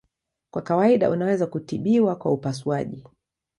Kwa kawaida unaweza kutibiwa kwa upasuaji.